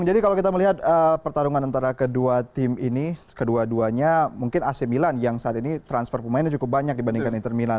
jadi kalau kita melihat pertarungan antara kedua tim ini kedua duanya mungkin ac milan yang saat ini transfer pemainnya cukup banyak dibandingkan inter milan